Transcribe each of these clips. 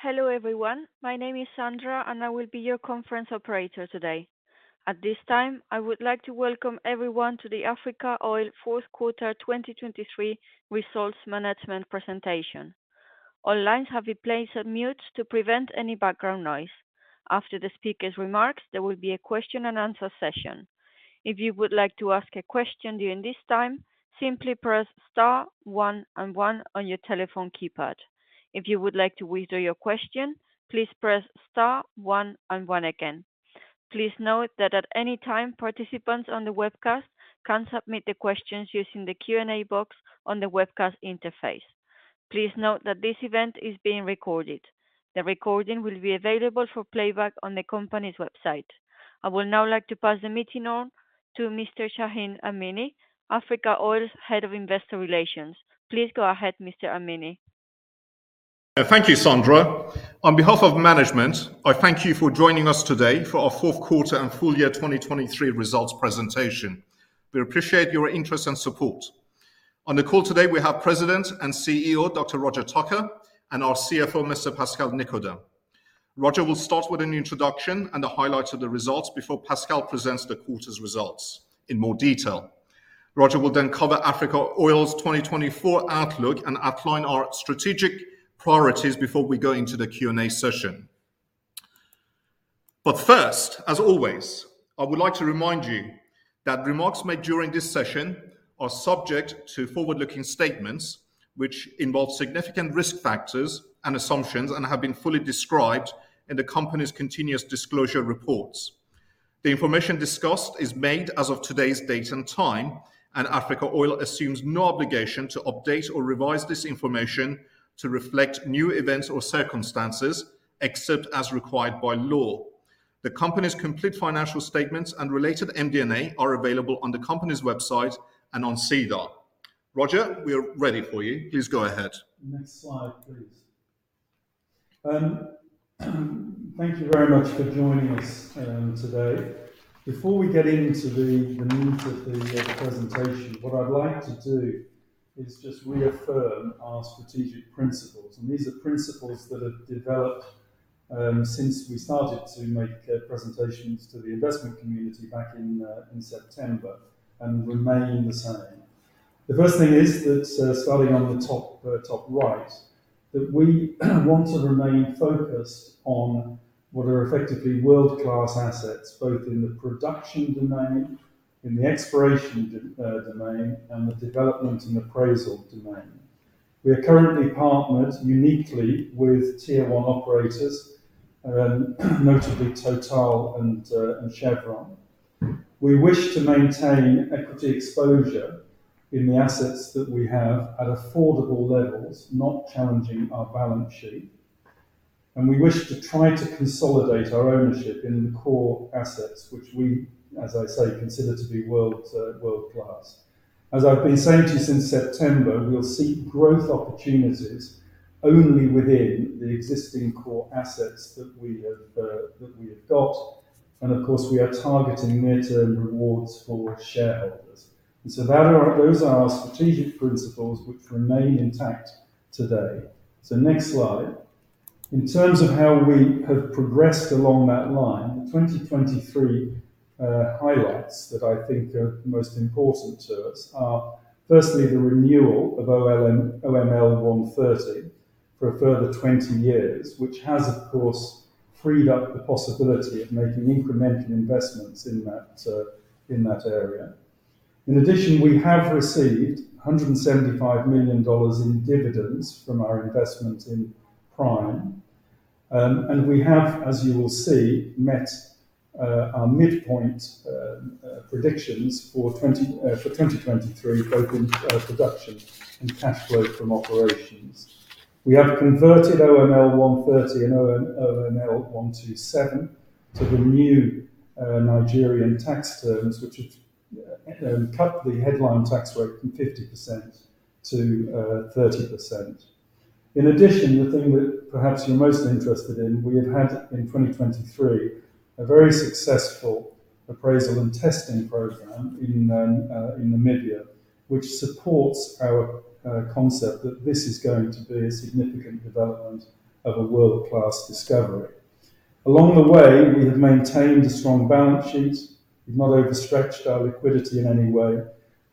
Hello, everyone. My name is Sandra, and I will be your conference operator today. At this time, I would like to welcome everyone to the Africa Oil Fourth Quarter 2023 Results Management Presentation. All lines have been placed on mute to prevent any background noise. After the speaker's remarks, there will be a question and answer session. If you would like to ask a question during this time, simply press star one and one on your telephone keypad. If you would like to withdraw your question, please press star one and one again. Please note that at any time, participants on the webcast can submit the questions using the Q&A box on the webcast interface. Please note that this event is being recorded. The recording will be available for playback on the company's website. I would now like to pass the meeting on to Mr. Shahin Amini, Africa Oil's Head of Investor Relations. Please go ahead, Mr. Amini. Thank you, Sandra. On behalf of management, I thank you for joining us today for our fourth quarter and full year 2023 results presentation. We appreciate your interest and support. On the call today, we have President and CEO, Dr. Roger Tucker, and our CFO, Mr. Pascal Nicodeme. Roger will start with an introduction and the highlights of the results before Pascal presents the quarter's results in more detail. Roger will then cover Africa Oil's 2024 outlook and outline our strategic priorities before we go into the Q&A session. But first, as always, I would like to remind you that remarks made during this session are subject to forward-looking statements, which involve significant risk factors and assumptions and have been fully described in the company's continuous disclosure reports. The information discussed is made as of today's date and time, and Africa Oil assumes no obligation to update or revise this information to reflect new events or circumstances, except as required by law. The company's complete financial statements and related MD&A are available on the company's website and on SEDAR. Roger, we are ready for you. Please go ahead. Next slide, please. Thank you very much for joining us today. Before we get into the meat of the presentation, what I'd like to do is just reaffirm our strategic principles, and these are principles that have developed since we started to make presentations to the investment community back in September and remain the same. The first thing is that, starting on the top right, that we want to remain focused on what are effectively world-class assets, both in the production domain, in the exploration domain, and the development and appraisal domain. We are currently partnered uniquely with Tier 1 operators, notably Total and Chevron. We wish to maintain equity exposure in the assets that we have at affordable levels, not challenging our balance sheet, and we wish to try to consolidate our ownership in the core assets, which we, as I say, consider to be world-class. As I've been saying to you since September, we will seek growth opportunities only within the existing core assets that we have that we have got, and of course, we are targeting near-term rewards for shareholders. Those are our strategic principles, which remain intact today. So next slide. In terms of how we have progressed along that line, the 2023 highlights that I think are most important to us are, firstly, the renewal of OML 130 for a further 20 years, which has, of course, freed up the possibility of making incremental investments in that, in that area. In addition, we have received $175 million in dividends from our investment in Prime. And we have, as you will see, met our midpoint predictions for 2023, both in production and cash flow from operations. We have converted OML 130 and OML 127 to the new Nigerian tax terms, which have cut the headline tax rate from 50% to 30%. In addition, the thing that perhaps you're most interested in, we have had in 2023, a very successful appraisal and testing program in Namibia, which supports our concept that this is going to be a significant development of a world-class discovery. Along the way, we have maintained a strong balance sheet. We've not overstretched our liquidity in any way.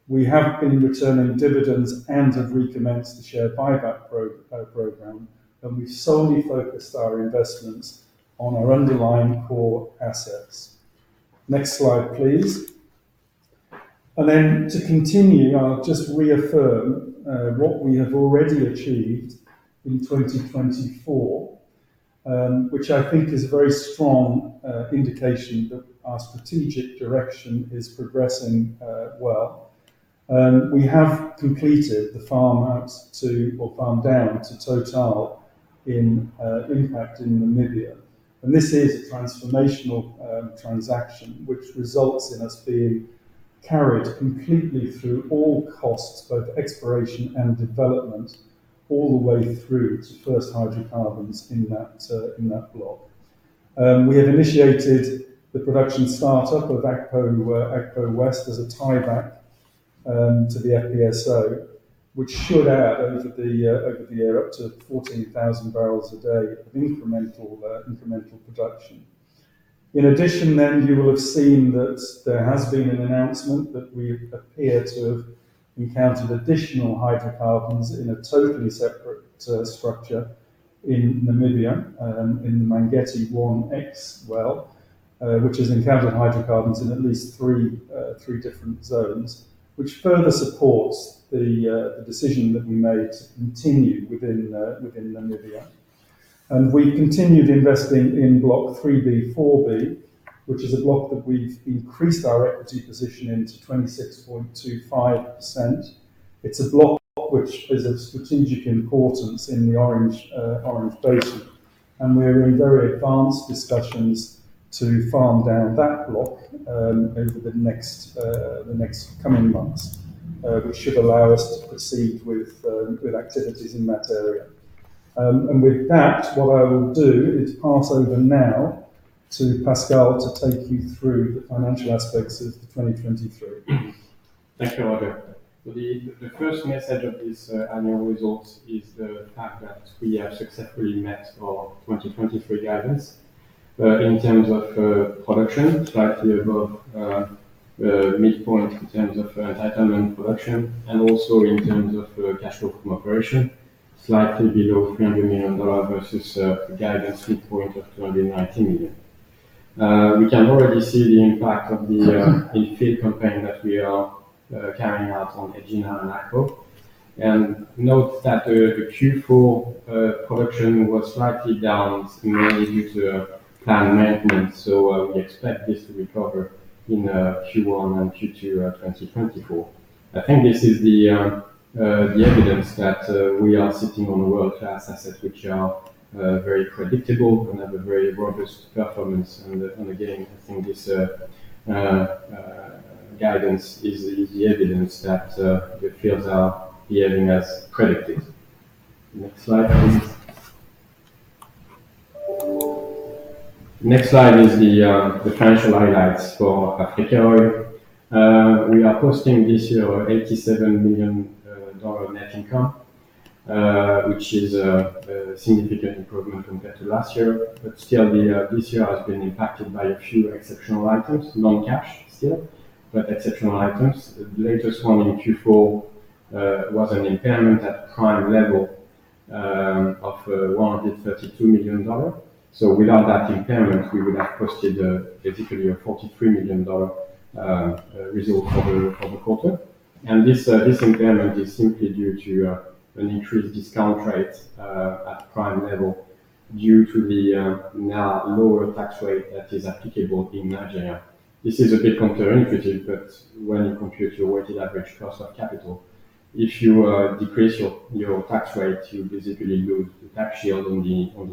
We have been returning dividends and have recommenced the share buyback program, and we've solely focused our investments on our underlying core assets. Next slide, please. Then to continue, I'll just reaffirm what we have already achieved in 2024, which I think is a very strong indication that our strategic direction is progressing well. We have completed the farm out to or farm down to Total in Impact in Namibia. This is a transformational transaction which results in us being carried completely through all costs, both exploration and development, all the way through to first hydrocarbons in that block. We have initiated the production start-up of Akpo West as a tieback to the FPSO, which should add over the year up to 14,000 bbl a day of incremental production. In addition, you will have seen that there has been an announcement that we appear to have encountered additional hydrocarbons in a totally separate structure in Namibia, in the Mangetti-1X well, which has encountered hydrocarbons in at least three different zones, which further supports the decision that we made to continue within Namibia. And we continued investing in Block 3B/4B, which is a block that we've increased our equity position into 26.25%. It's a block which is of strategic importance in the Orange, Orange Basin, and we're in very advanced discussions to farm down that block, over the next, the next coming months, which should allow us to proceed with, with activities in that area. And with that, what I will do is pass over now to Pascal to take you through the financial aspects of the 2023. Thank you, Roger. So the first message of this annual results is the fact that we have successfully met our 2023 guidance in terms of production, slightly above midpoint in terms of entitlement production, and also in terms of cash flow from operation, slightly below $300 million versus guidance midpoint of $290 million. We can already see the impact of the in-field campaign that we are carrying out on Egina and Akpo. And note that the Q4 production was slightly down, mainly due to planned maintenance, so we expect this to recover in Q1 and Q2 2024. I think this is the evidence that we are sitting on world-class assets, which are very predictable and have a very robust performance. And again, I think this guidance is the evidence that the fields are behaving as predicted. Next slide, please. Next slide is the financial highlights for Africa Oil. We are posting this year $87 million net income, which is a significant improvement compared to last year, but still, this year has been impacted by a few exceptional items, non-cash still, but exceptional items. The latest one in Q4 was an impairment at Prime level of $132 million. So without that impairment, we would have posted basically a $43 million result for the quarter. And this impairment is simply due to an increased discount rate at Prime level due to the now lower tax rate that is applicable in Nigeria. This is a bit counterintuitive, but when you compute your weighted average cost of capital, if you decrease your tax rate, you basically lose the tax shield on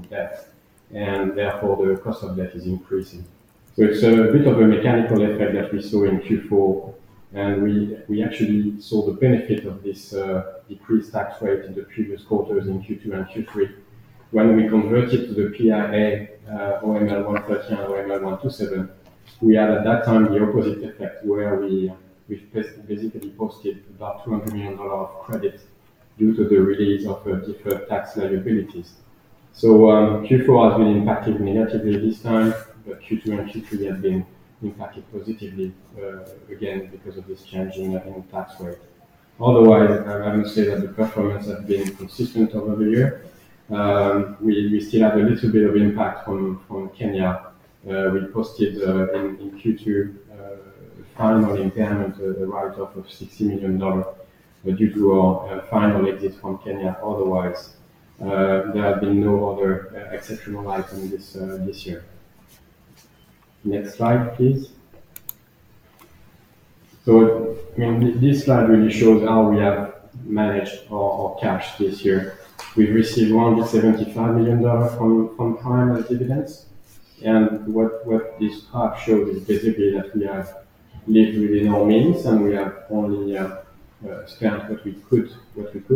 the debt, and therefore, the cost of debt is increasing. So it's a bit of a mechanical effect that we saw in Q4, and we actually saw the benefit of this decreased tax rate in the previous quarters in Q2 and Q3. When we converted to the PIA, OML 130 and OML 127, we had, at that time, the opposite effect, where we basically posted about $200 million of credit due to the release of deferred tax liabilities. So, Q4 has been impacted negatively this time, but Q2 and Q3 have been impacted positively, again, because of this change in tax rate. Otherwise, I would say that the performance has been consistent over the year. We still have a little bit of impact from Kenya. We posted in Q2 final impairment, the write-off of $60 million, but due to our final exit from Kenya. Otherwise, there have been no other exceptional item this year. Next slide, please. So, I mean, this slide really shows how we have managed our cash this year. We've received $175 million from Prime as dividends. And what this chart shows is basically that we have lived within our means, and we have only spent what we could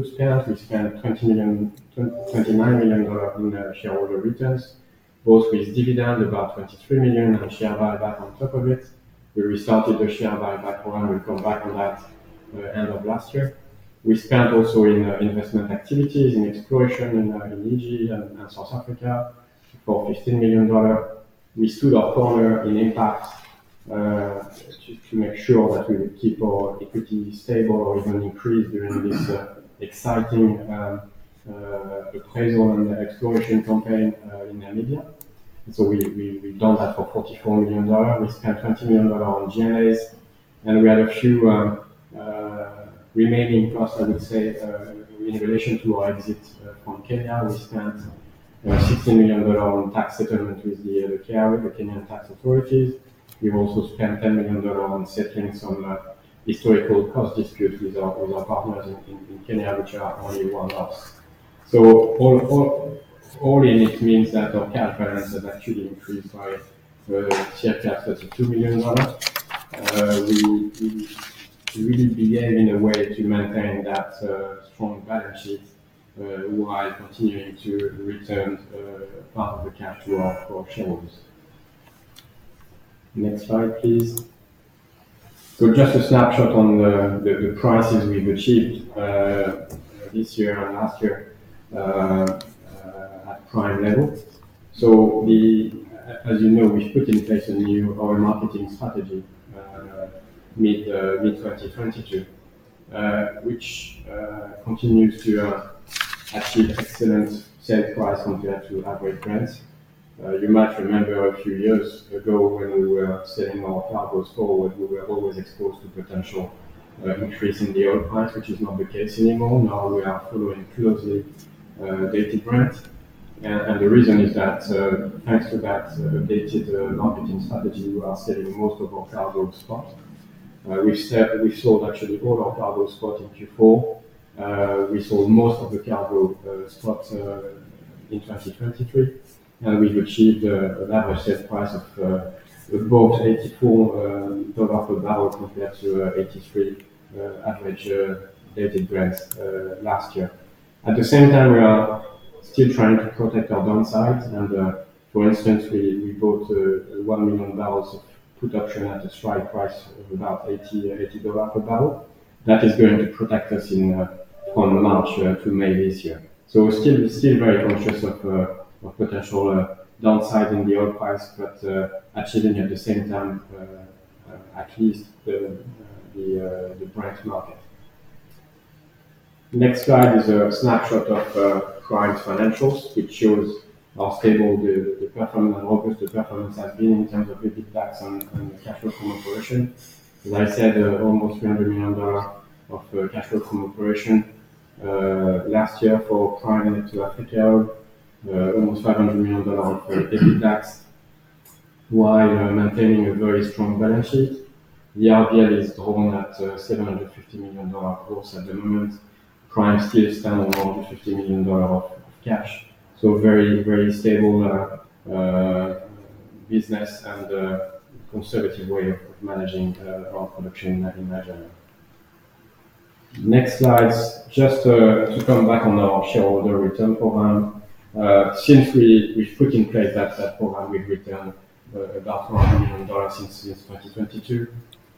spend. We spent $29 million in shareholder returns, both with dividend, about $23 million, and share buyback on top of it. We restarted the share buyback program. We'll come back on that end of last year. We spent also in investment activities, in exploration in Egypt and South Africa for $15 million. We stood our corner in Impact to make sure that we keep our equity stable or even increase during this exciting appraisal and exploration campaign in Namibia. So we've done that for $44 million. We spent $20 million on G&A, and we had a few remaining costs, I would say, in relation to our exit from Kenya. We spent $16 million on tax settlement with the KRA, the Kenyan tax authorities. We've also spent $10 million on settling some historical cost disputes with our partners in Kenya, which are only one-offs. So all in it means that our cash balance has actually increased by share capital of $2 million. We really behaved in a way to maintain that strong balance sheet while continuing to return part of the cash to our shareholders. Next slide, please. So just a snapshot on the prices we've achieved this year and last year at Prime level. So we, as you know, we've put in place a new oil marketing strategy mid-2022, which continues to achieve excellent sale price compared to average Brent. You might remember a few years ago, when we were selling our cargoes forward, we were always exposed to potential increase in the oil price, which is not the case anymore. Now, we are following closely dated Brent, and the reason is that thanks to that dated marketing strategy, we are selling most of our cargo spot. We sold actually all our cargo spot in Q4. We sold most of the cargo spot in 2023, and we've achieved an average sale price of about $84 per barrel, compared to $83 average dated Brent last year. At the same time, we are still trying to protect our downside, and for instance, we bought one million barrels of production at a strike price of about $80 per barrel. That is going to protect us from March to May this year. So we're still very conscious of potential downside in the oil price, but actually at the same time, at least the Brent market. Next slide is a snapshot of Prime's financials, which shows how stable the performance and robust the performance has been in terms of EBITDAX and the cash flow from operation. As I said, almost $300 million of cash flow from operation last year for Prime and to Africa, almost $500 million of EBITDAX, while maintaining a very strong balance sheet. The RBL is holding at $750 million gross at the moment. Prime still stand on more than $50 million of cash. So very, very stable business and conservative way of managing our production in Nigeria. Next slide. Just to come back on our shareholder return program. Since we put in place that program, we've returned about $100 million since 2022.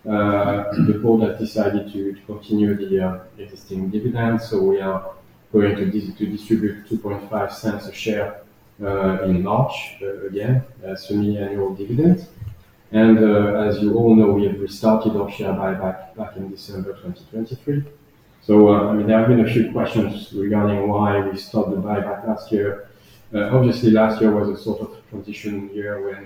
The board have decided to continue the existing dividends, so we are going to distribute $0.025 a share in March again, as semi-annual dividend. And as you all know, we have restarted our share buyback back in December 2023. So there have been a few questions regarding why we stopped the buyback last year. Obviously, last year was a sort of transition year when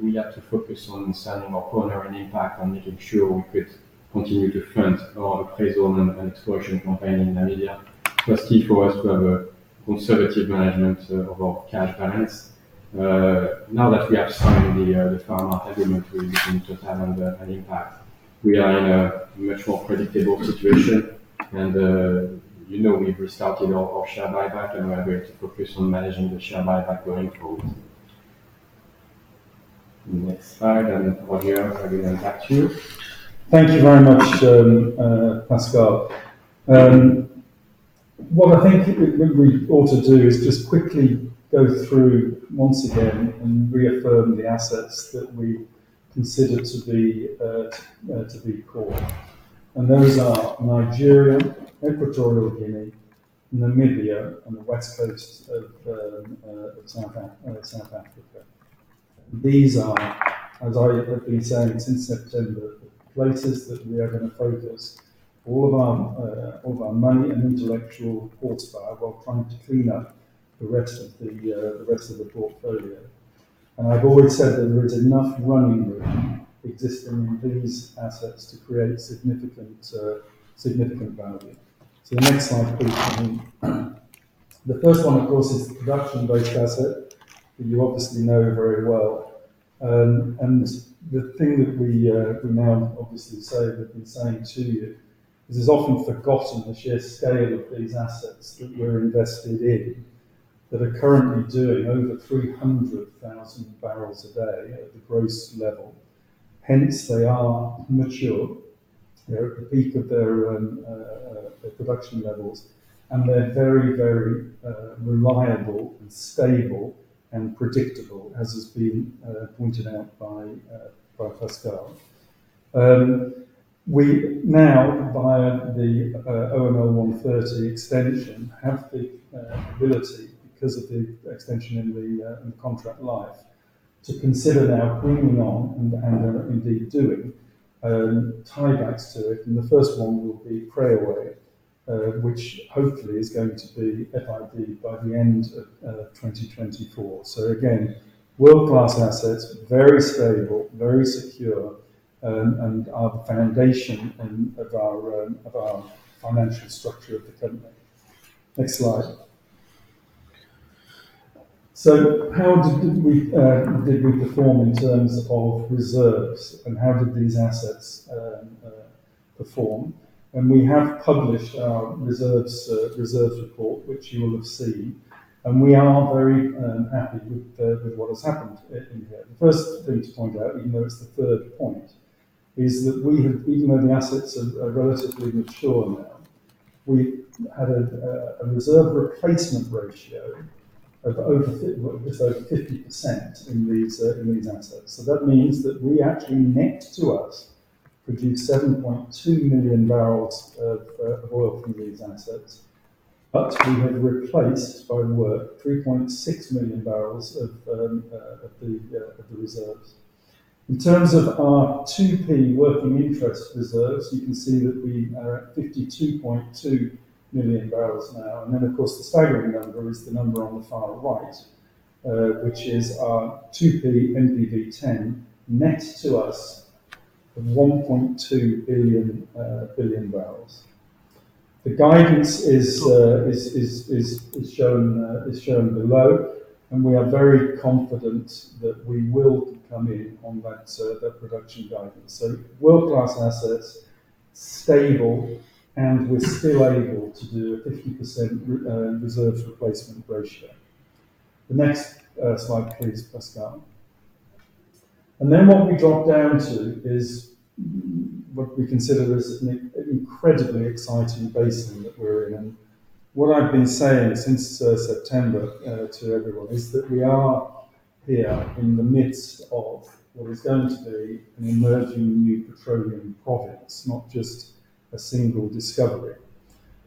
we had to focus on selling our ownership in Impact and making sure we could continue to fund our appraisal and exploration campaign in Nigeria. It was key for us to have a conservative management of our cash balance. Now that we have signed the final agreement with Total and Impact, we are in a much more predictable situation, and you know, we've restarted our share buyback, and we are going to focus on managing the share buyback going forward. Next slide, and, Roger, I'm going to hand back to you. Thank you very much, Pascal. What I think we ought to do is just quickly go through once again and reaffirm the assets that we consider to be core. And those are Nigeria, Equatorial Guinea, Namibia, and the west coast of South Africa. These are, as I have been saying since September, places that we are going to focus all of our money and intellectual horsepower while trying to clean up the rest of the portfolio. And I've always said that there is enough running room existing in these assets to create significant value. So the next slide, please. The first one, of course, is the production-based asset that you obviously know very well. The thing that we now obviously say, we've been saying to you, this is often forgotten, the sheer scale of these assets that we're invested in, that are currently doing over 300,000 bbl a day at the gross level. Hence, they are mature. They're at the peak of their production levels, and they're very, very reliable and stable and predictable, as has been pointed out by Pascal. We now, via the OML 130 extension, have the ability, because of the extension in the contract life, to consider now bringing on and indeed doing tiebacks to it, and the first one will be Preowei, which hopefully is going to be FID by the end of 2024. So again, world-class assets, very stable, very secure, and are the foundation of our financial structure of the company. Next slide. So how did we perform in terms of reserves, and how did these assets perform? And we have published our reserves report, which you will have seen, and we are very happy with what has happened in here. The first thing to point out, you know, it's the third point, is that even though the assets are relatively mature now. We had a reserve replacement ratio of just over 50% in these assets. So that means that we actually, net to us, produced 7.2 million bbl of oil from these assets, but we have replaced by work 3.6 million bbl of the reserves. In terms of our 2P working interest reserves, you can see that we are at 52.2 million bbl now. And then, of course, the staggering number is the number on the far right, which is our 2P NPV10, net to us of $1.2 billion bbl. The guidance is shown below, and we are very confident that we will come in on that production guidance. So world-class assets, stable, and we're still able to do a 50% reserves replacement ratio. The next slide, please, Pascal. What we drop down to is what we consider as an incredibly exciting basin that we're in. What I've been saying since September to everyone is that we are here in the midst of what is going to be an emerging new petroleum province, not just a single discovery.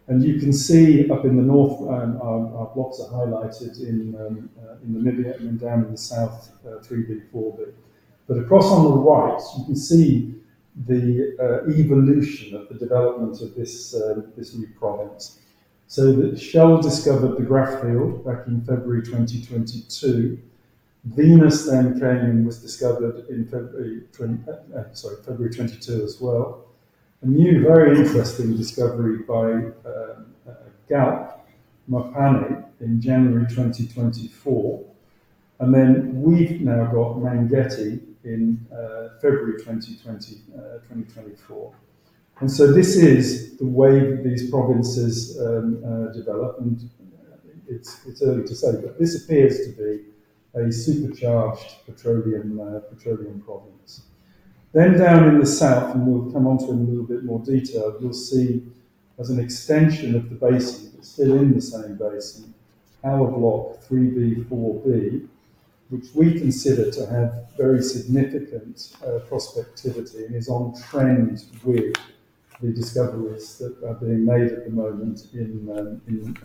You can see up in the north, our blocks are highlighted in Namibia and down in the south, 3B/4B. But across on the right, you can see the evolution of the development of this new province. That Shell discovered the Graff field back in February 2022. Venus then came and was discovered in February 2022 as well. A new, very interesting discovery by Galp, Mopane, in January 2024. And then we've now got Mangetti in February 2024. And so this is the way that these provinces develop, and it's early to say, but this appears to be a supercharged petroleum province. Then down in the south, and we'll come on to in a little bit more detail, you'll see as an extension of the basin, but still in the same basin, our Block 3B/4B, which we consider to have very significant prospectivity and is on trend with the discoveries that are being made at the moment in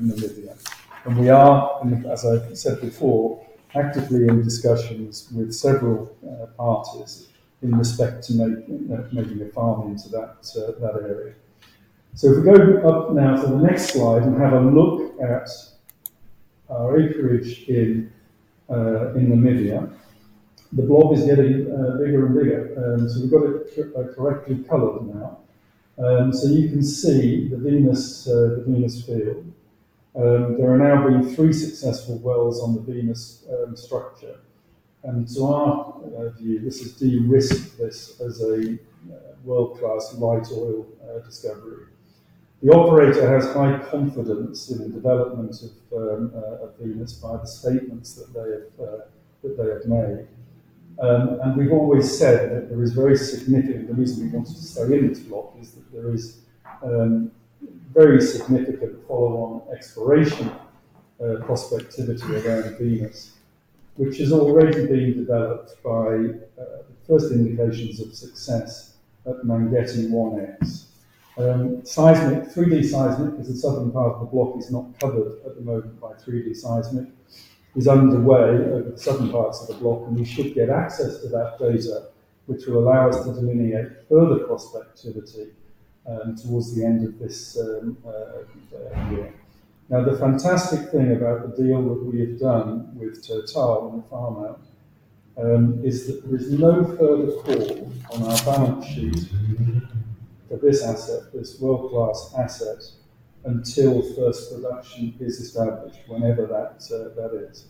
Namibia. And we are, and as I said before, actively in discussions with several parties in respect to making a farm into that area. So if we go up now to the next slide and have a look at our acreage in in Namibia. The block is getting bigger and bigger, so we've got it correctly colored now. So you can see the Venus, the Venus field. There have now been three successful wells on the Venus structure. And to our view, this has de-risked this as a world-class light oil discovery. The operator has high confidence in the development of of Venus by the statements that they have that they have made. And we've always said that there is very significant, the reason we wanted to stay in this block is that there is very significant follow-on exploration prospectivity around Venus, which is already being developed by first indications of success at Mangetti-1X. 3D seismic, because the southern part of the block is not covered at the moment by 3D seismic, is underway over the southern parts of the block, and we should get access to that data, which will allow us to delineate further prospectivity towards the end of this year. Now, the fantastic thing about the deal that we have done with Total on the farm out is that there is no further call on our balance sheet for this asset, this world-class asset, until first production is established, whenever that is.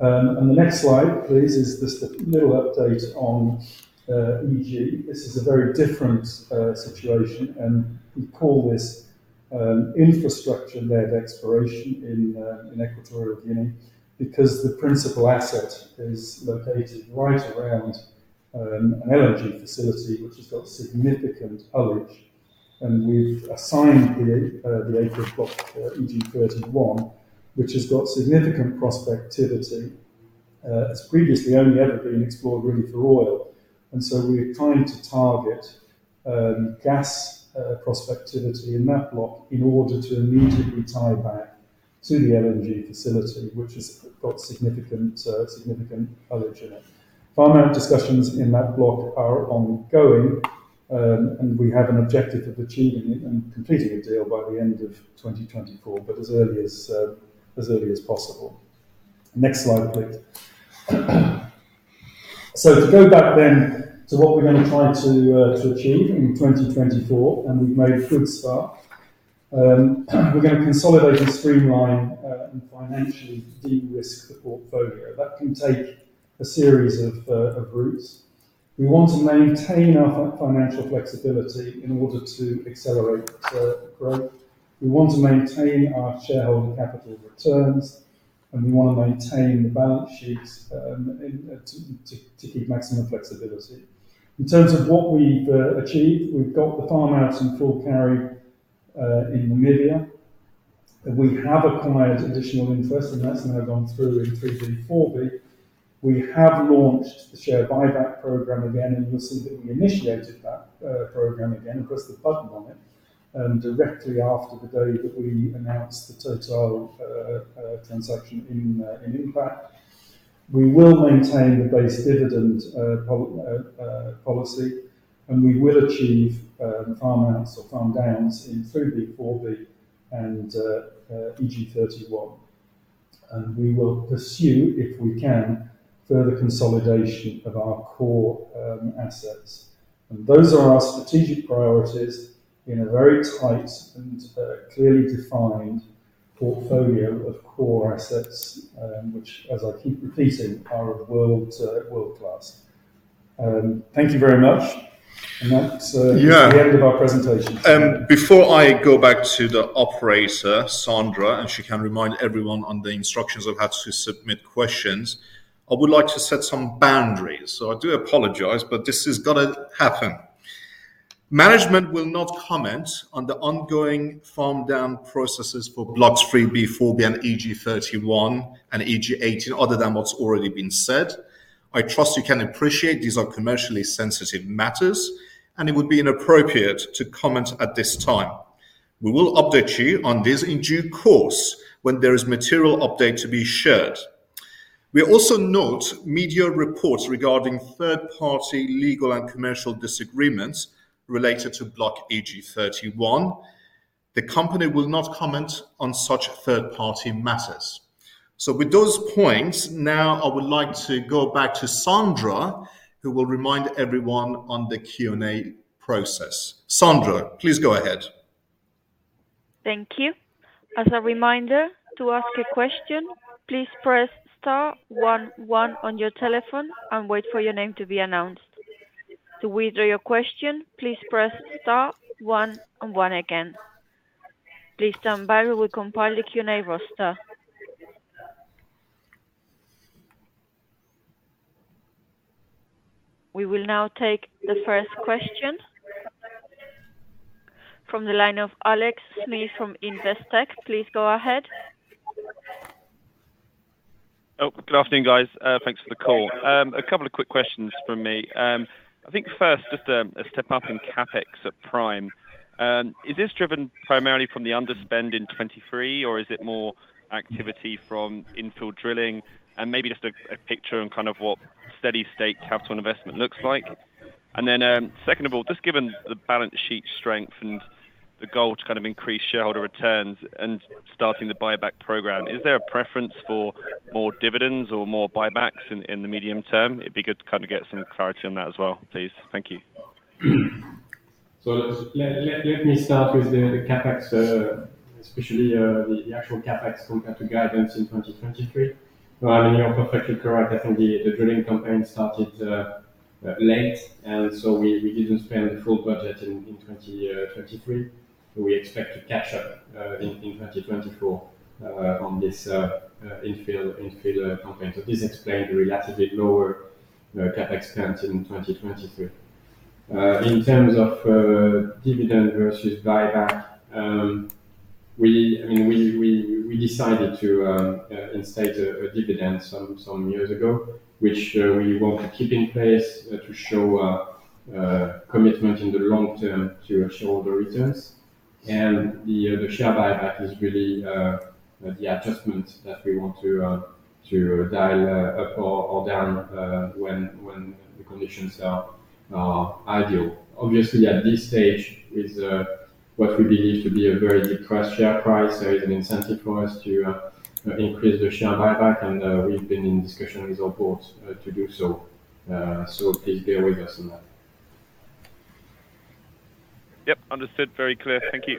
And the next slide, please, is just a little update on EG. This is a very different situation, and we call this infrastructure-led exploration in Equatorial Guinea, because the principal asset is located right around an LNG facility, which has got significant coverage. We've assigned the acreage Block EG-31, which has got significant prospectivity. It's previously only ever been explored really for oil, and so we are trying to target gas prospectivity in that block in order to immediately tie back to the LNG facility, which has got significant coverage in it. Farm out discussions in that block are ongoing, and we have an objective of achieving and completing a deal by the end of 2024, but as early as possible. Next slide, please. So to go back then to what we're going to try to achieve in 2024, and we've made a good start. We're going to consolidate and streamline and financially de-risk the portfolio. That can take a series of routes. We want to maintain our financial flexibility in order to accelerate growth. We want to maintain our shareholder capital returns, and we want to maintain the balance sheets in order to keep maximum flexibility. In terms of what we've achieved, we've got the farmouts in full carry in Namibia. We have acquired additional interest, and that's now gone through in 3B/4B. We have launched the share buyback program again, and you'll see that we initiated that program again, and pressed the button on it directly after the day that we announced the Total transaction in Impact. We will maintain the base dividend policy, and we will achieve farm outs or farm downs in 3B/4B, and EG-31. We will pursue, if we can, further consolidation of our core assets. Those are our strategic priorities in a very tight and clearly defined portfolio of core assets, which, as I keep repeating, are of world-class. Thank you very much. And that's. Yeah. The end of our presentation. Before I go back to the operator, Sandra, and she can remind everyone on the instructions of how to submit questions. I would like to set some boundaries, so I do apologize, but this has got to happen. Management will not comment on the ongoing farm down processes for Blocks 3B/4B, and EG-31 and EG-18, other than what's already been said. I trust you can appreciate these are commercially sensitive matters, and it would be inappropriate to comment at this time. We will update you on this in due course, when there is material update to be shared. We also note media reports regarding third-party legal and commercial disagreements related to Block EG-31. The company will not comment on such third-party matters. So with those points, now, I would like to go back to Sandra, who will remind everyone on the Q&A process. Sandra, please go ahead. Thank you. As a reminder, to ask a question, please press star one one on your telephone and wait for your name to be announced. To withdraw your question, please press star one and one again. Please stand by. We will compile the Q&A roster. We will now take the first question from the line of Alex Smith from Investec. Please go ahead. Oh, good afternoon, guys. Thanks for the call. A couple of quick questions from me. I think first, just a step up in CapEx at Prime. Is this driven primarily from the underspend in 2023, or is it more activity from infill drilling? And maybe just a picture on kind of what steady state capital investment looks like. And then, second of all, just given the balance sheet strength and the goal to kind of increase shareholder returns and starting the buyback program, is there a preference for more dividends or more buybacks in the medium term? It'd be good to kind of get some clarity on that as well, please. Thank you. So let me start with the CapEx, especially, the actual CapEx compared to guidance in 2023. Well, I mean, you're perfectly correct that the drilling campaign started late, and so we didn't spend the full budget in 2023. We expect to catch up in 2024 on this infill campaign. So this explained the relatively lower CapEx spend in 2023. In terms of dividend versus buyback, we, I mean, we decided to instate a dividend some years ago, which we want to keep in place to show a commitment in the long term to shareholder returns. The share buyback is really the adjustment that we want to dial up or down when the conditions are ideal. Obviously, at this stage, with what we believe to be a very depressed share price, there is an incentive for us to increase the share buyback, and we've been in discussion with our board to do so. So please bear with us on that. Yep, understood. Very clear. Thank you.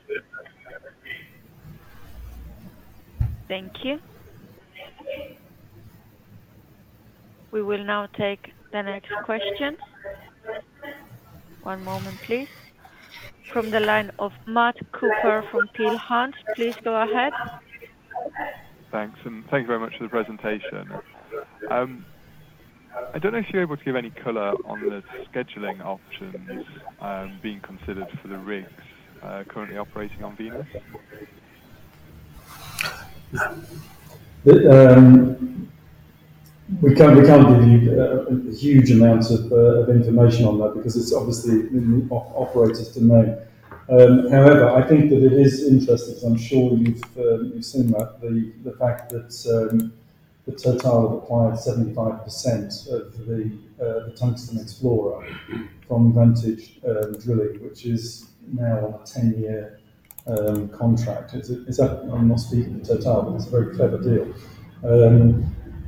Thank you. We will now take the next question. One moment, please. From the line of Matt Cooper, from Peel Hunt. Please go ahead. Thanks. Thank you very much for the presentation. I don't know if you're able to give any color on the scheduling options being considered for the rigs currently operating on Venus? We can't give you a huge amount of information on that, because it's obviously in the operator's domain. However, I think that it is interesting, because I'm sure you've seen that the fact that Total acquired 75% of the Tungsten Explorer from Vantage Drilling, which is now a 10-year contract. Is that, I'm not speaking to Total, but it's a very clever deal,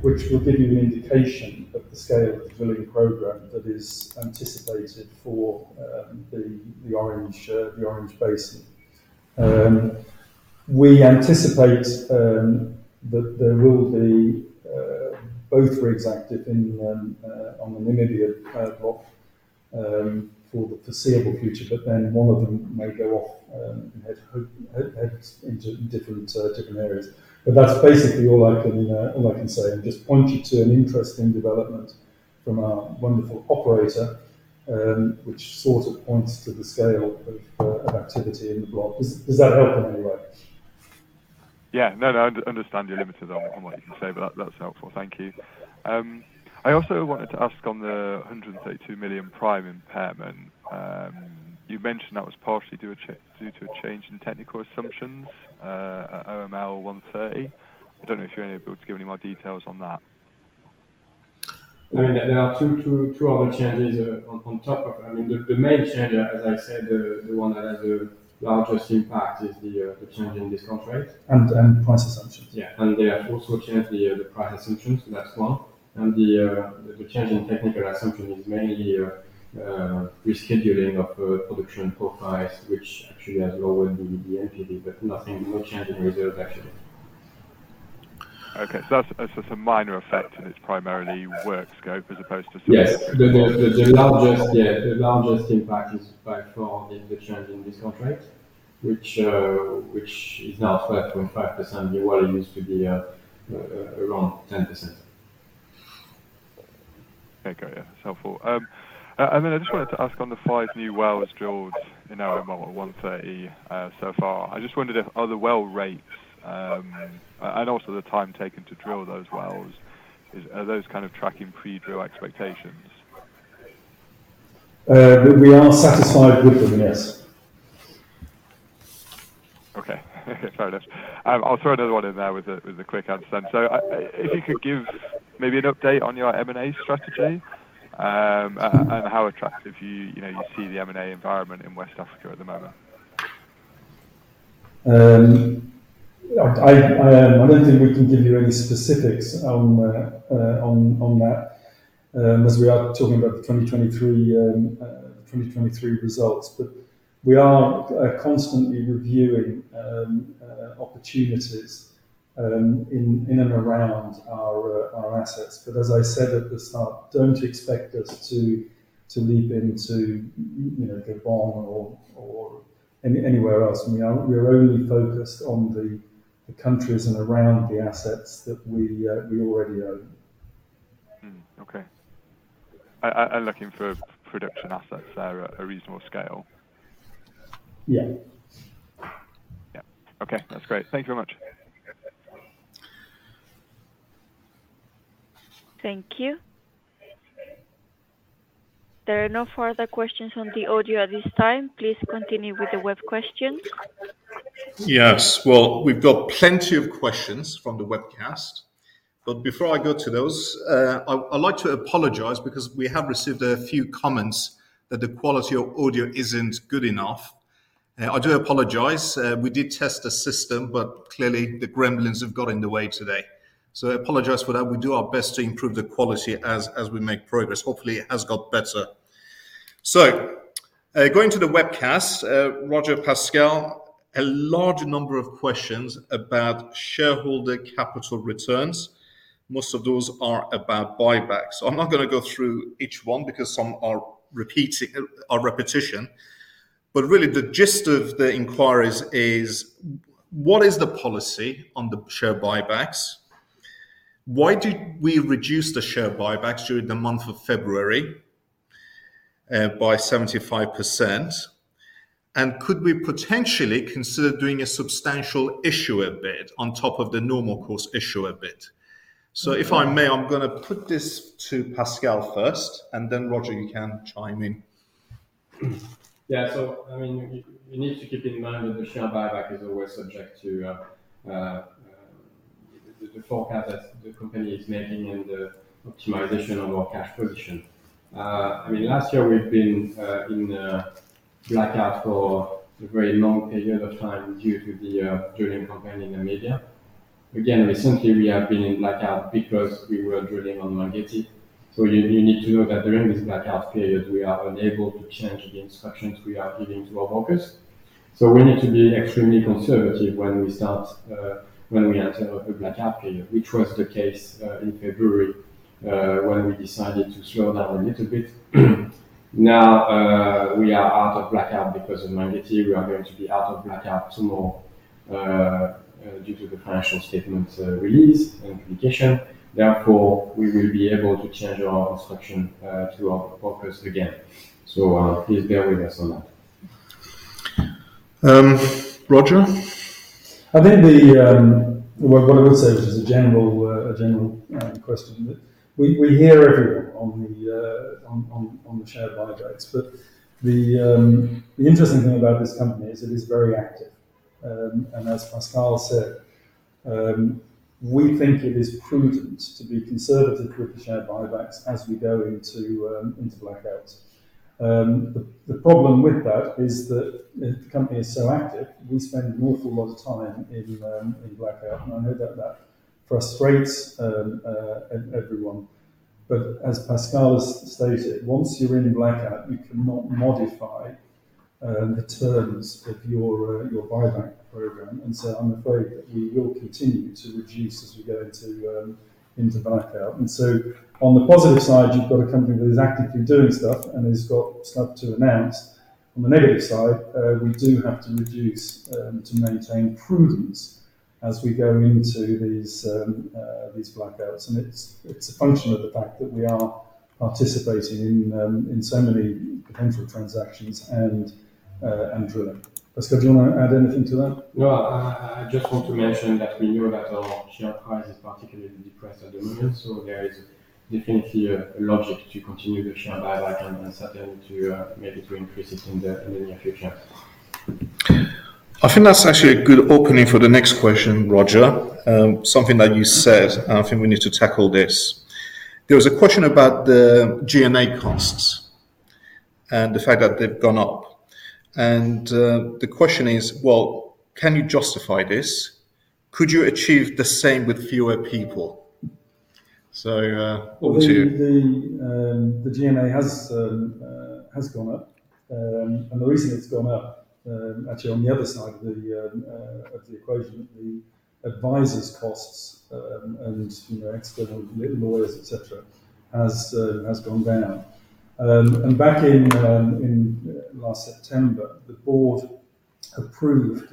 which will give you an indication of the scale of the drilling program that is anticipated for the Orange Basin. We anticipate that there will be both rigs active on the Namibia block for the foreseeable future, but then one of them may go off and head into different areas. But that's basically all I can say, and just point you to an interesting development from our wonderful operator, which sort of points to the scale of activity in the block. Does that help in any way? Yeah. No, no, I understand you're limited on, on what you can say, but that, that's helpful. Thank you. I also wanted to ask on the $132 million Prime impairment. You mentioned that was partially due to a change in technical assumptions at OML 130. I don't know if you're able to give any more details on that. I mean, there are two other changes on top of, I mean, the main change, as I said, the one that has the largest impact is the change in this contract. Price assumptions. Yeah, and they have also changed the price assumptions, so that's one. The change in technical assumption is mainly rescheduling of production profiles, which actually has lowered the NPV, but nothing, no change in results, actually. Okay. So that's, that's just a minor effect, and it's primarily work scope as opposed to. Yes. The largest, yeah, the largest impact is by far the change in this contract, which is now 13.5%. Yeah, well, it used to be around 10%. Okay. Yeah, it's helpful. And then I just wanted to ask on the five new wells drilled in OML 130, so far, I just wondered if are the well rates, and also the time taken to drill those wells, are those kind of tracking pre-drill expectations? We are satisfied with them, yes. Okay. Fair enough. I'll throw another one in there with a quick answer then. So if you could give maybe an update on your M&A strategy, and how attractive you know you see the M&A environment in West Africa at the moment? I don't think we can give you any specifics on that, as we are talking about the 2023 results. But we are constantly reviewing opportunities in and around our assets. But as I said at the start, don't expect us to leap into, you know, Gabon or anywhere else. I mean, we're only focused on the countries and around the assets that we already own. Okay. Looking for production assets that are a reasonable scale? Yeah. Yeah. Okay, that's great. Thank you very much. Thank you. There are no further questions on the audio at this time. Please continue with the web questions. Yes. Well, we've got plenty of questions from the webcast, but before I go to those, I'd like to apologize because we have received a few comments that the quality of audio isn't good enough. I do apologize. We did test the system, but clearly, the gremlins have got in the way today. So I apologize for that. We'll do our best to improve the quality as we make progress. Hopefully, it has got better. So, going to the webcast, Roger, Pascal, a large number of questions about shareholder capital returns. Most of those are about buybacks. So I'm not gonna go through each one because some are repeating, repetition, but really, the gist of the inquiries is: What is the policy on the share buybacks? Why did we reduce the share buybacks during the month of February by 75%? Could we potentially consider doing a Substantial Issuer Bid on top of the Normal Course Issuer Bid? If I may, I'm gonna put this to Pascal first, and then, Roger, you can chime in. Yeah. So I mean, you need to keep in mind that the share buyback is always subject to the forecast that the company is making and the optimization of our cash position. I mean, last year we've been in a blackout for a very long period of time due to the drilling campaign in Namibia. Again, recently, we have been in blackout because we were drilling on Mangetti. So you need to know that during this blackout period, we are unable to change the instructions we are giving to our brokers. So we need to be extremely conservative when we enter a blackout period, which was the case in February when we decided to slow down a little bit. Now, we are out of blackout because of Mangetti. We are going to be out of blackout tomorrow, due to the financial statements release and publication. Therefore, we will be able to change our instruction to our brokers again. So, please bear with us on that. Um, Roger? I think the, what I would say is a general question. We hear everyone on the share buybacks, but the interesting thing about this company is it is very active. And as Pascal said, we think it is prudent to be conservative with the share buybacks as we go into blackouts. The problem with that is that if the company is so active, we spend an awful lot of time in blackout, and I know that that frustrates everyone. But as Pascal has stated, once you're in blackout, you cannot modify the terms of your buyback program. And so I'm afraid that we will continue to reduce as we go into blackout. And so on the positive side, you've got a company that is actively doing stuff and has got stuff to announce. On the negative side, we do have to reduce, to maintain prudence as we go into these blackouts. And it's a function of the fact that we are participating in so many potential transactions and drilling. Pascal, do you wanna add anything to that? No, I just want to mention that we know that our share price is particularly depressed at the moment, so there is definitely a logic to continue the share buyback and certainly to maybe to increase it in the near future. I think that's actually a good opening for the next question, Roger. Something that you said, and I think we need to tackle this. There was a question about the G&A costs and the fact that they've gone up, and the question is: Well, can you justify this? Could you achieve the same with fewer people? So, over to you. Well, the G&A has gone up. And the reason it's gone up, actually on the other side of the equation, the advisors' costs, and, you know, external lawyers, et cetera, has gone down. And back in last September, the board approved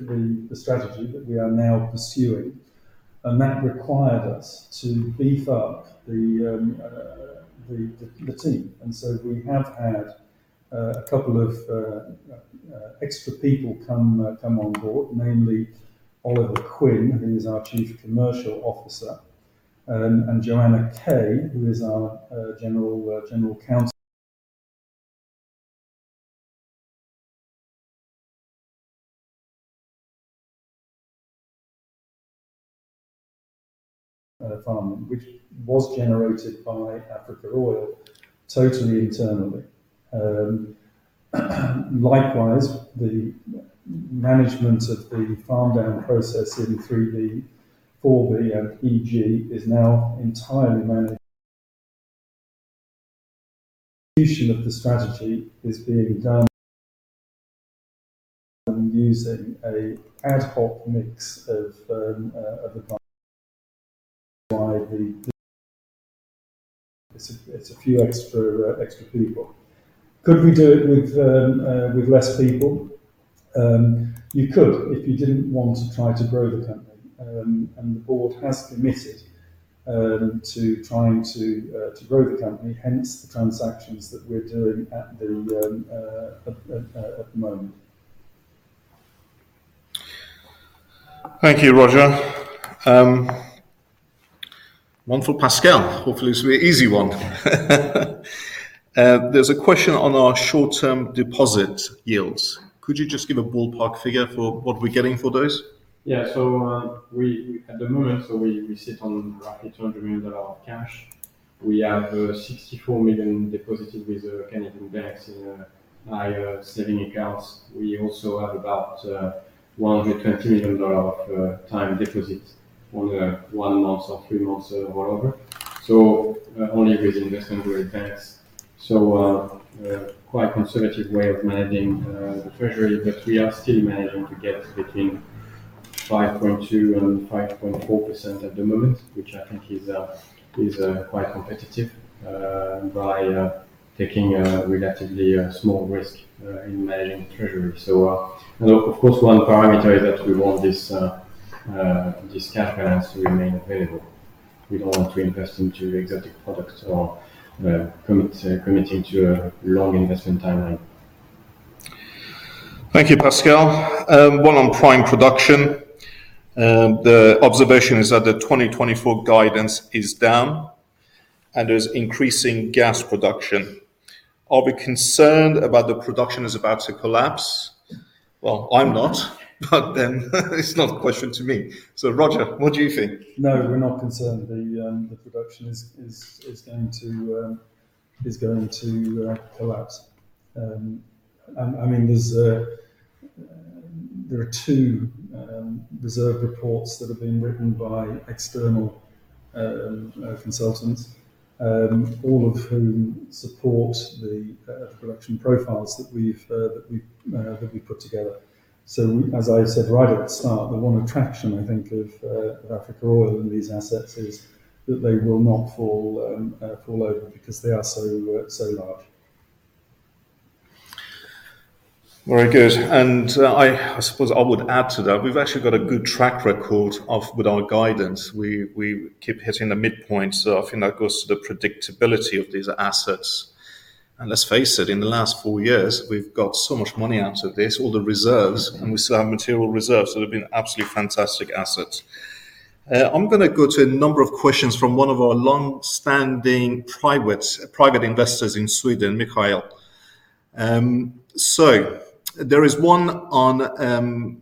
the strategy that we are now pursuing, and that required us to beef up the team. And so we have had a couple of extra people come on board, namely Oliver Quinn, who is our Chief Commercial Officer, and Joanna Kay, who is our General Counsel farm, which was generated by Africa Oil totally internally. Likewise, the management of the farm down process in 3B/4B and EG is now entirely managed. Execution of the strategy is being done using an ad hoc mix of advice by the. It's a few extra people. Could we do it with less people? You could, if you didn't want to try to grow the company. And the board has committed to trying to grow the company, hence the transactions that we're doing at the moment. Thank you, Roger. One for Pascal. Hopefully, this will be an easy one. There's a question on our short-term deposit yields. Could you just give a ballpark figure for what we're getting for those? Yeah. So, at the moment, we sit on roughly $200 million of cash. We have $64 million deposited with Canadian banks in higher savings accounts. We also have about $120 million of time deposits on one month or three months or whatever, only with investment-grade banks. So, a quite conservative way of managing the treasury, but we are still managing to get between 5.2% and 5.4% at the moment, which I think is quite competitive by taking a relatively small risk in managing treasury. So, and of course, one parameter is that we want this cash balance to remain available. We don't want to invest into exotic products or commit into a long investment timeline. Thank you, Pascal. One on prime production. The observation is that the 2024 guidance is down, and there's increasing gas production. Are we concerned about the production is about to collapse? Well, I'm not, but then it's not a question to me. So, Roger, what do you think? No, we're not concerned the production is going to collapse. I mean, there are two reserve reports that have been written by external consultants, all of whom support the production profiles that we've put together. So as I said right at the start, the one attraction, I think, of Africa Oil and these assets is that they will not fall over because they are so large. Very good. I suppose I would add to that, we've actually got a good track record with our guidance. We keep hitting the midpoint, so I think that goes to the predictability of these assets. Let's face it, in the last four years, we've got so much money out of this, all the reserves, and we still have material reserves, so they've been absolutely fantastic assets. I'm gonna go to a number of questions from one of our longstanding private investors in Sweden, [Mikhail]. So there is one on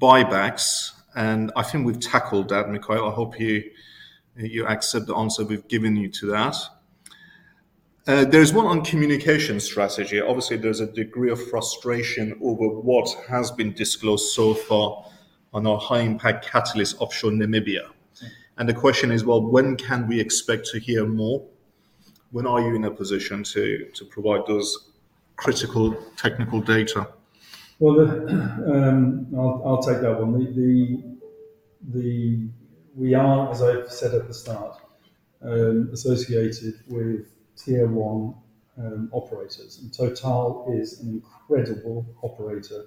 buybacks, and I think we've tackled that, [Mikhail]. I hope you accept the answer we've given you to that. There's one on communication strategy. Obviously, there's a degree of frustration over what has been disclosed so far on our high-impact catalyst offshore Namibia. And the question is: Well, when can we expect to hear more? When are you in a position to provide those critical technical data? Well, I'll take that one. We are, as I've said at the start, associated with Tier 1 operators, and Total is an incredible operator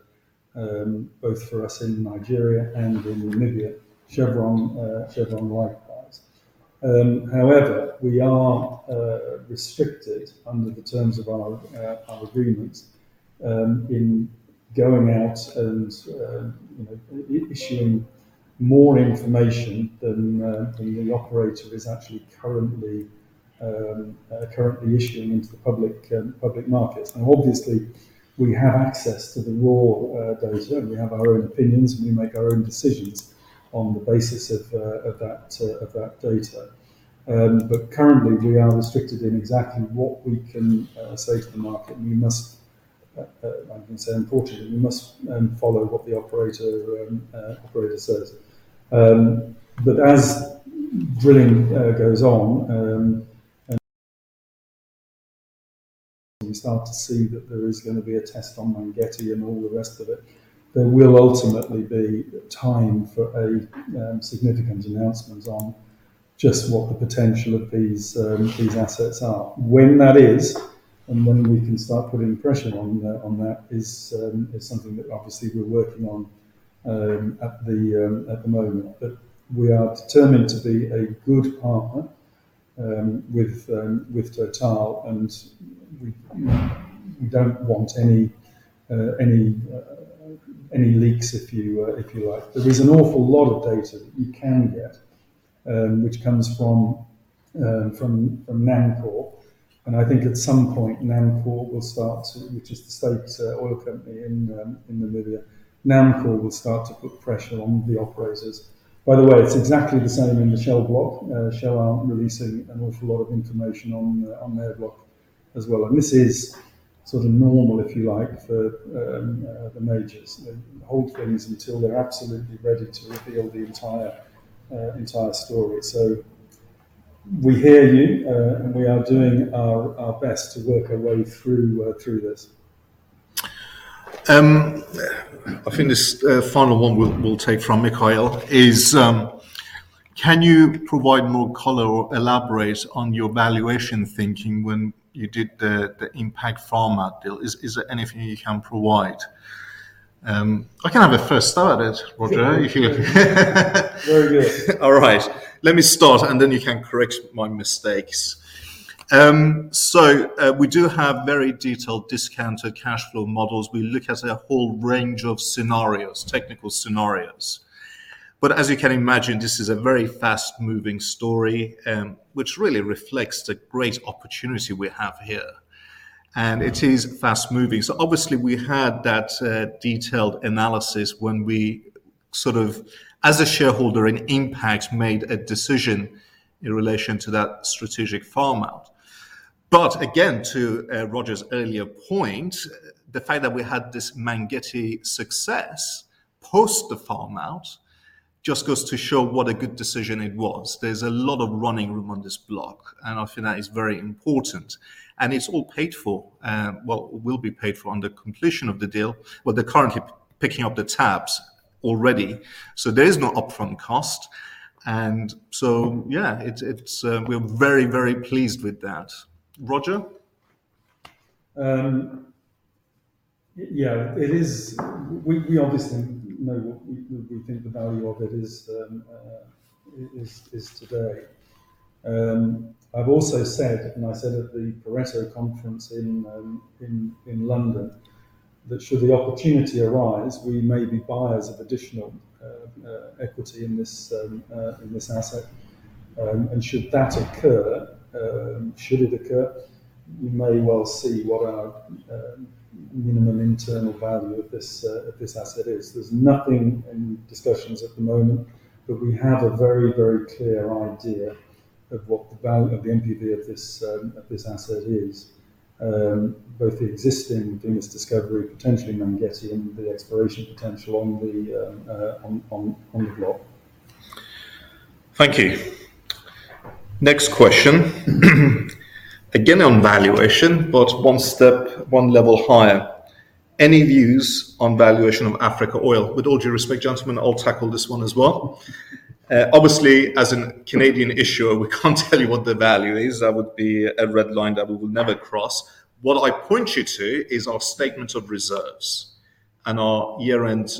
both for us in Nigeria and in Namibia. Chevron, likewise. However, we are restricted under the terms of our agreement in going out and you know, issuing more information than the operator is actually currently issuing into the public markets. Now, obviously, we have access to the raw data, and we have our own opinions, and we make our own decisions on the basis of that data. But currently, we are restricted in exactly what we can say to the market, and we must, I can say importantly, we must follow what the operator says. But as drilling goes on, we start to see that there is gonna be a test on Mangetti and all the rest of it. There will ultimately be time for a significant announcement on just what the potential of these assets are. When that is, and when we can start putting pressure on that, is something that obviously we're working on at the moment. But we are determined to be a good partner with Total, and we don't want any leaks, if you like. There is an awful lot of data that you can get, which comes from NAMCOR, and I think at some point, NAMCOR will start to, which is the state's oil company in Namibia. NAMCOR will start to put pressure on the operators. By the way, it's exactly the same in the Shell block. Shell aren't releasing an awful lot of information on their block as well, and this is sort of normal, if you like, for the majors. They hold things until they're absolutely ready to reveal the entire story. So we hear you, and we are doing our best to work our way through this. I think this final one we'll take from Mikhail is: Can you provide more color or elaborate on your valuation thinking when you did the Impact farm out deal? Is there anything you can provide? I can have a first stab at it, Roger, if you. Very good. All right, let me start, and then you can correct my mistakes. So, we do have very detailed discounted cash flow models. We look at a whole range of scenarios, technical scenarios, but as you can imagine, this is a very fast-moving story, which really reflects the great opportunity we have here, and it is fast-moving. So obviously, we had that detailed analysis when we sort of, as a shareholder in Impact, made a decision in relation to that strategic farm out. But again, to Roger's earlier point, the fact that we had this Mangetti success post the farm out, just goes to show what a good decision it was. There's a lot of running room on this block, and I think that is very important. And it's all paid for, well, will be paid for on the completion of the deal. Well, they're currently picking up the tabs already, so there is no upfront cost, and so yeah, it's, we're very, very pleased with that. Roger? Yeah, it is. We obviously know what we think the value of it is today. I've also said, and I said at the Pareto Conference in London, that should the opportunity arise, we may be buyers of additional equity in this asset. And should that occur, should it occur, we may well see what our minimum internal value of this asset is. There's nothing in discussions at the moment, but we have a very, very clear idea of what the value of the NPV of this asset is. Both the existing Venus discovery, potentially Mangetti, and the exploration potential on the block. Thank you. Next question, again, on valuation, but one step, one level higher. Any views on valuation of Africa Oil? With all due respect, gentlemen, I'll tackle this one as well. Obviously, as a Canadian issuer, we can't tell you what the value is. That would be a red line that we will never cross. What I point you to is our statement of reserves and our year-end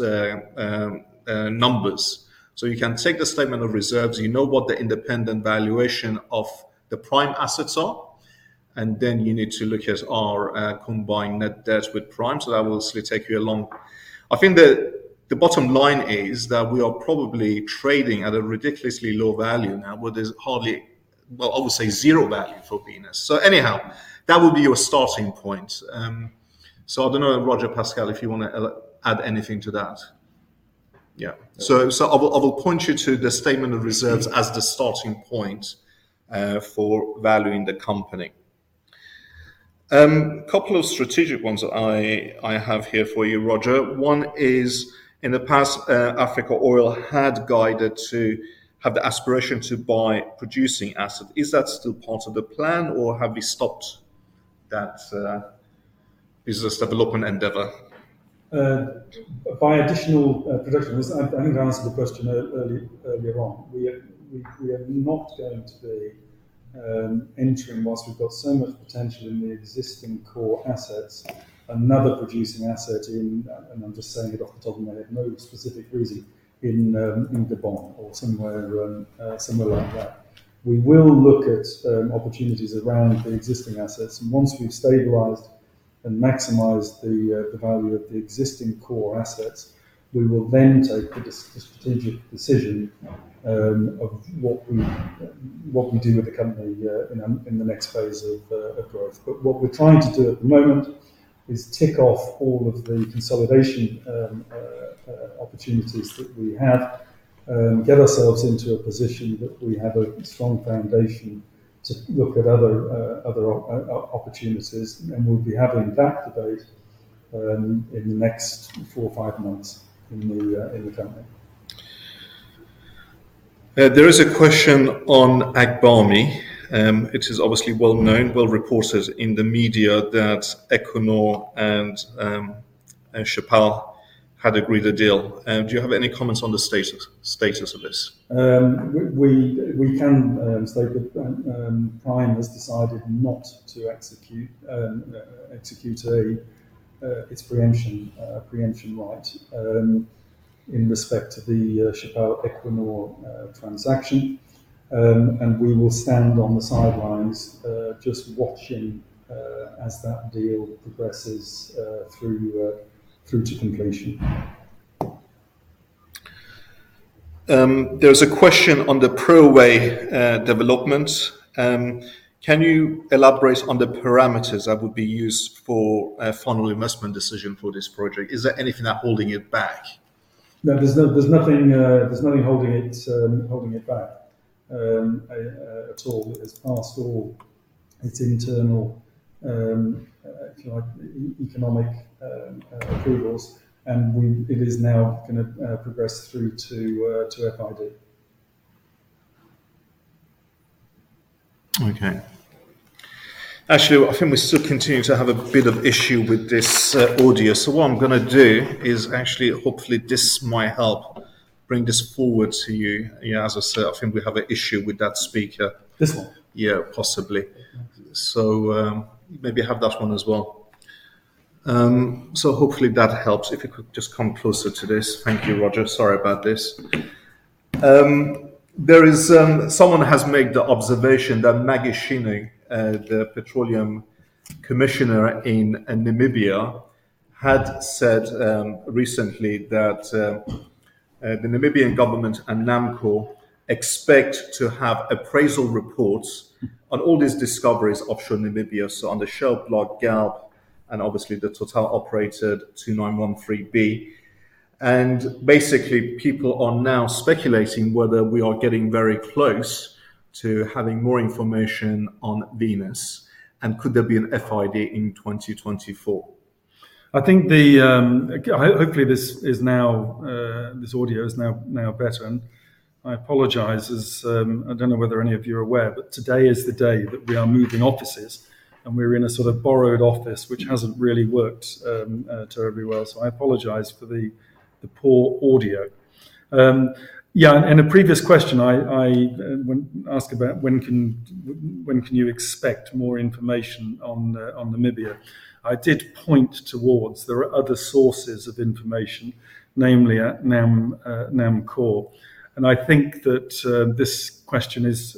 numbers. So you can take the statement of reserves. You know what the independent valuation of the Prime assets are, and then you need to look at our combined net debt with Prime. So that will obviously take you. I think the bottom line is that we are probably trading at a ridiculously low value now, where there's hardly, well, I would say zero value for Venus. Anyhow, that would be your starting point. I don't know, Roger, Pascal, if you wanna add anything to that? Yeah. I will point you to the statement of reserves as the starting point for valuing the company. Couple of strategic ones that I have here for you, Roger. One is: In the past, Africa Oil had guided to have the aspiration to buy producing asset. Is that still part of the plan, or have we stopped that business development endeavor. By additional production, I think I answered the question earlier on. We are not going to be entering whilst we've got so much potential in the existing core assets, another producing asset in, and I'm just saying it off the top of my head, no specific reason, in Gabon or somewhere similar like that. We will look at opportunities around the existing assets, and once we've stabilized and maximized the value of the existing core assets, we will then take a strategic decision of what we do with the company in the next phase of growth. But what we're trying to do at the moment is tick off all of the consolidation opportunities that we have, get ourselves into a position that we have a strong foundation to look at other opportunities. And we'll be having that debate in the next four or five months in the company. There is a question on Agbami. It is obviously well-known, well-reported in the media that Equinor and Chappal had agreed a deal. Do you have any comments on the status of this? We can state that Prime has decided not to execute its preemption right in respect to the Chappal-Equinor transaction. And we will stand on the sidelines, just watching, as that deal progresses through to completion. There's a question on the Preowei development. Can you elaborate on the parameters that would be used for a final investment decision for this project? Is there anything that holding it back? No, there's nothing holding it back at all. It's passed all its internal, if you like, economic approvals, and it is now gonna progress through to FID. Okay. Actually, I think we still continue to have a bit of issue with this audio. So what I'm gonna do is actually, hopefully, this might help. Bring this forward to you. Yeah, as I said, I think we have an issue with that speaker. This one? Yeah, possibly. So, maybe have that one as well. So hopefully that helps. If you could just come closer to this. Thank you, Roger. Sorry about this. Someone has made the observation that Maggy Shino, the Petroleum Commissioner in Namibia, had said, recently that, the Namibian government and NAMCOR expect to have appraisal reports on all these discoveries offshore Namibia, so on the Shell block, Galp, and obviously the Total operated 2913B. And basically, people are now speculating whether we are getting very close to having more information on Venus, and could there be an FID in 2024? I think hopefully this is now the audio is now better, and I apologize, as I don't know whether any of you are aware, but today is the day that we are moving offices, and we're in a sort of borrowed office, which hasn't really worked terribly well. So I apologize for the poor audio. Yeah, in a previous question, I when asked about when can you expect more information on Namibia, I did point towards there are other sources of information, namely at NAMCOR. And I think that this question has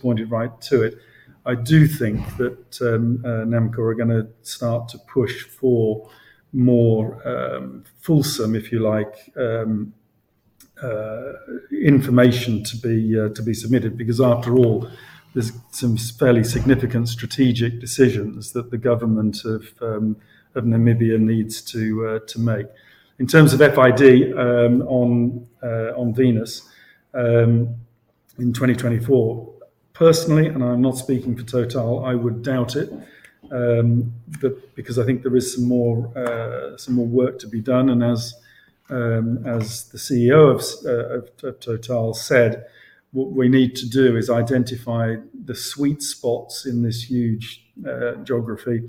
pointed right to it. I do think that, NAMCOR are gonna start to push for more, fulsome, if you like, information to be, to be submitted, because after all, there's some fairly significant strategic decisions that the government of, of Namibia needs to, to make. In terms of FID, on, on Venus, in 2024, personally, and I'm not speaking for Total, I would doubt it, but because I think there is some more, some more work to be done. And as, as the CEO of Total said, what we need to do is identify the sweet spots in this huge, geography,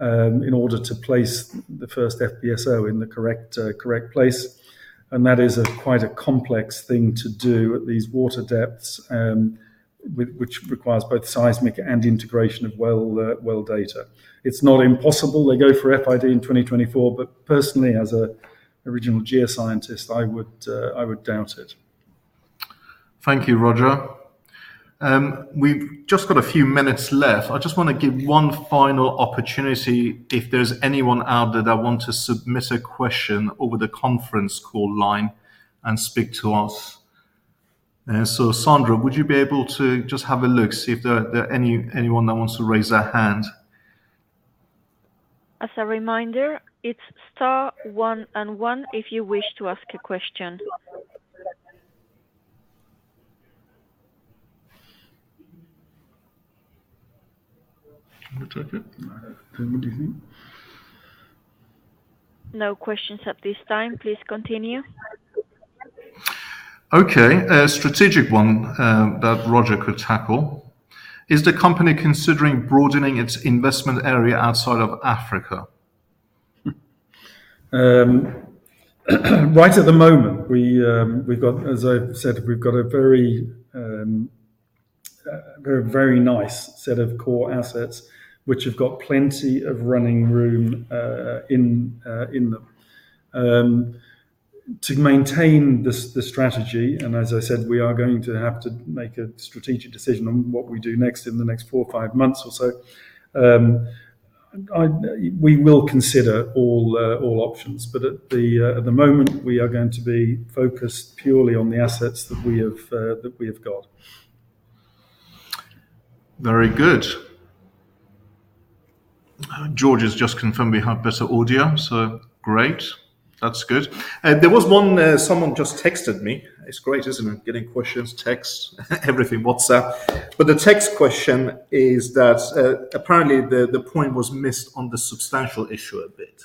in order to place the first FPSO in the correct, correct place. That is a quite a complex thing to do at these water depths, which requires both seismic and integration of well data. It's not impossible they go for FID in 2024, but personally, as a original geoscientist, I would doubt it. Thank you, Roger. We've just got a few minutes left. I just wanna give one final opportunity if there's anyone out there that want to submit a question over the conference call line and speak to us. So Sandra, would you be able to just have a look, see if there are anyone that wants to raise their hand? As a reminder, it's star one and one if you wish to ask a question. Let me check it. Anybody in? No questions at this time. Please continue. Okay, a strategic one, that Roger could tackle. Is the company considering broadening its investment area outside of Africa? Right at the moment, we, we've got, as I said, we've got a very, very nice set of core assets, which have got plenty of running room, in them. To maintain this, the strategy, and as I said, we are going to have to make a strategic decision on what we do next in the next four or five months or so. I, we will consider all options, but at the moment, we are going to be focused purely on the assets that we have, that we have got. Very good. George has just confirmed we have better audio, so great. That's good. There was one, someone just texted me. It's great, isn't it? Getting questions, texts, everything, WhatsApp. But the text question is that, apparently, the point was missed on the substantial issue a bit.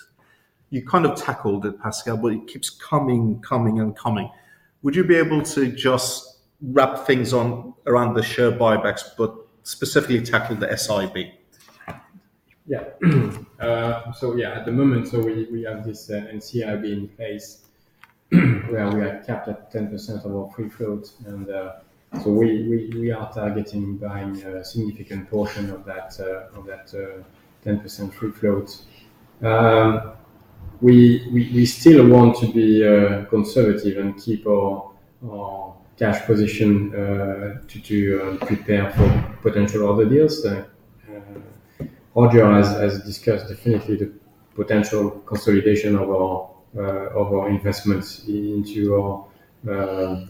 You kind of tackled it, Pascal, but it keeps coming, coming, and coming. Would you be able to just wrap things on around the share buybacks but specifically tackle the SIB? Yeah. So yeah, at the moment, so we have this NCIB in place, where we are capped at 10% of our free float. So we are targeting buying a significant portion of that 10% free float. We still want to be conservative and keep our cash position to prepare for potential other deals. Roger has discussed definitely the potential consolidation of our investments into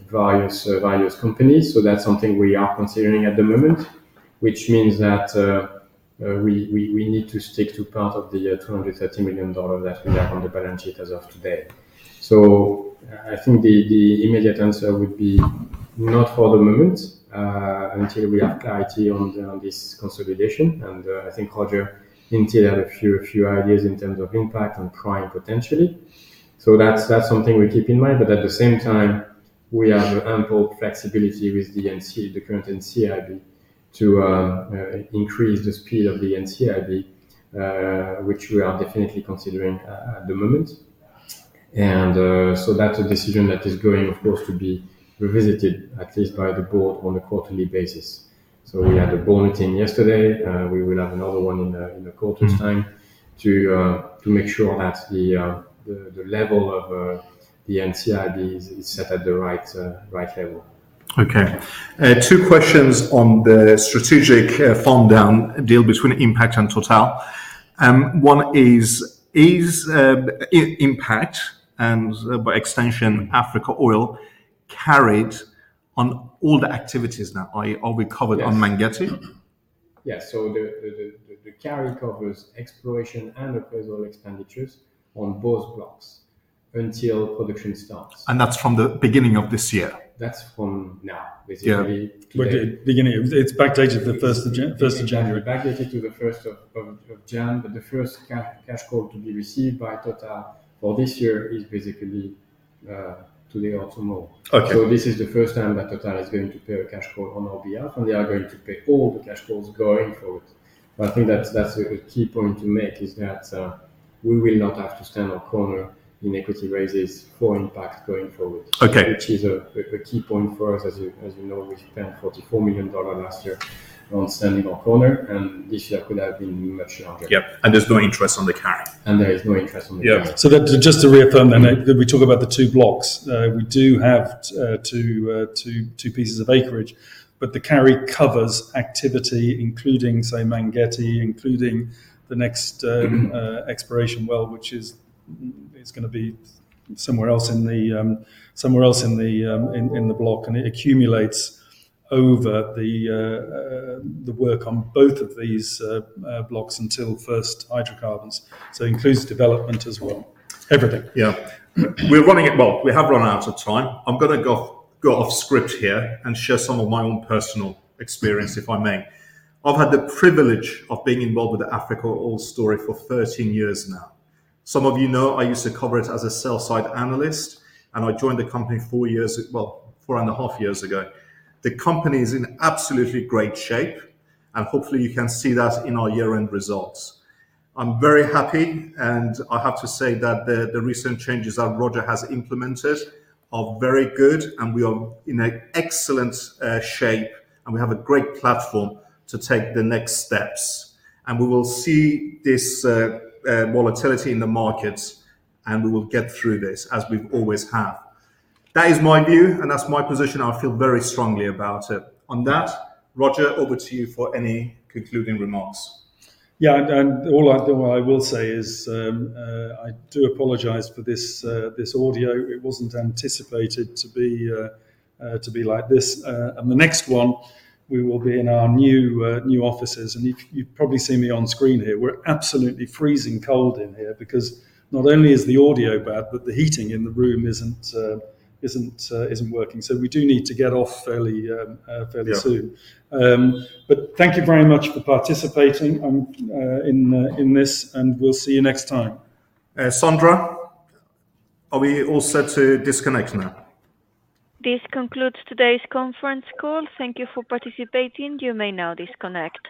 various companies. So that's something we are considering at the moment, which means that we need to stick to part of the $230 million that we have on the balance sheet as of today. So I think the immediate answer would be not for the moment, until we have clarity on this consolidation. And I think Roger hinted at a few ideas in terms of impact on Prime potentially. So that's something we keep in mind, but at the same time, we have ample flexibility with the current NCIB to increase the speed of the NCIB, which we are definitely considering at the moment. And so that's a decision that is going, of course, to be revisited, at least by the board, on a quarterly basis. So we had a board meeting yesterday. We will have another one in a quarter's time to make sure that the level of the NCIB is set at the right level. Okay. Two questions on the strategic farm down deal between Impact and Total. One is, is Impact, and by extension, Africa Oil, carried on all the activities now? Are we covered on Mangetti? Yes. Yeah, so the carry covers exploration and appraisal expenditures on both blocks until production starts. That's from the beginning of this year? That's from now, basically. Yeah. It's backdated to the 1st of January. Backdated to the 1st of January, but the first cash call to be received by Total for this year is basically today or tomorrow. Okay. This is the first time that Total is going to pay a cash call on our behalf, and they are going to pay all the cash calls going forward. But I think that's a key point to make, is that we will not have to stand on corner in equity raises for Impact going forward. Okay. Which is a key point for us as you know, we spent $44 million last year on standing our corner, and this year could have been much larger. Yeah, and there's no interest on the carry. There is no interest on the carry. Yeah. So that, just to reaffirm that, that we talk about the two blocks. We do have two pieces of acreage, but the carry covers activity, including, say, Mangetti, including the next exploration well, which is gonna be somewhere else in the block, and it accumulates over the work on both of these blocks until first hydrocarbons. So it includes development as well. Everything. Yeah. We're running it. Well, we have run out of time. I'm gonna go off script here and share some of my own personal experience, if I may. I've had the privilege of being involved with the Africa Oil story for 13 years now. Some of you know, I used to cover it as a Sell-Side Analyst, and I joined the company four years ago, well, four and a half years ago. The company is in absolutely great shape, and hopefully, you can see that in our year-end results. I'm very happy, and I have to say that the recent changes that Roger has implemented are very good, and we are in an excellent shape, and we have a great platform to take the next steps. And we will see this, volatility in the markets, and we will get through this, as we always have. That is my view, and that's my position. I feel very strongly about it. On that, Roger, over to you for any concluding remarks. Yeah, and all I will say is, I do apologize for this audio. It wasn't anticipated to be like this. And the next one, we will be in our new offices, and you've probably seen me on screen here. We're absolutely freezing cold in here because not only is the audio bad, but the heating in the room isn't working. So we do need to get off fairly. Yeah. Fairly soon. But thank you very much for participating in this, and we'll see you next time. Sandra, are we all set to disconnect now? This concludes today's conference call. Thank you for participating. You may now disconnect.